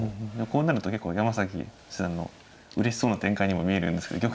こうなると結構山崎八段のうれしそうな展開にも見えるんですけど。